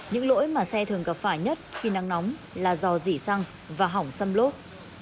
những lỗi mà xe thường gặp phải nhất khi nắng nóng là dò dỉ xăng và hỏng xâm lốt